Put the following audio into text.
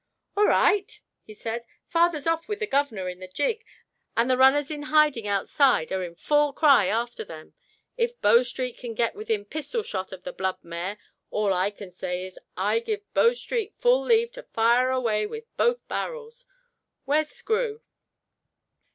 "All right!" he said. "Father's off with the governor in the gig, and the runners in hiding outside are in full cry after them. If Bow Street can get within pistol shot of the blood mare, all I can say is, I give Bow Street full leave to fire away with both barrels! Where's Screw?"